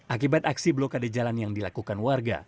akibat aksi blokade jalan yang dilakukan warga